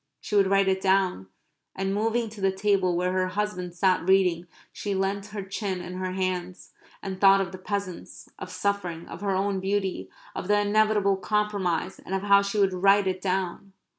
She would write it down. And moving to the table where her husband sat reading she leant her chin in her hands and thought of the peasants, of suffering, of her own beauty, of the inevitable compromise, and of how she would write it down.